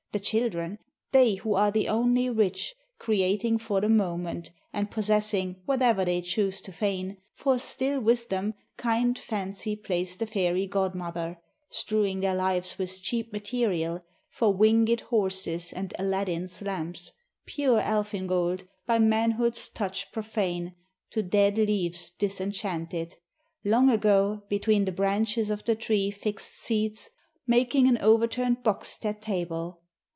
The children, they who are the only rich, UNDER THE WILLOWS. 21 Creating for the moment, and possessing Whate'er they choose to feign, for still with them Kind Fancy plays the fairy godmother, Strewing their lives with cheap material For winged horses and Aladdin's lamps, Pure elfin gold, by manhood's touch profane To dead leaves disenchanted, long ago Between the branches of the tree fixed seats, Making an overturned box their table.